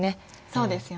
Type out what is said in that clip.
そうですよね。